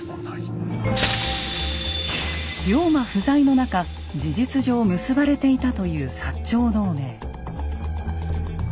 龍馬不在の中事実上結ばれていたという長同盟。